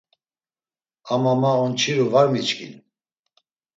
Ama ma onçiru var miçkin.